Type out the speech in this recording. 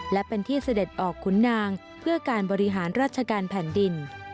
และเป็นที่เสด็จออกขุนนางเพื่อการบริหารราชการแผ่นดิน